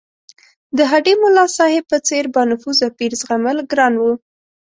د هډې ملاصاحب په څېر بانفوذه پیر زغمل ګران وو.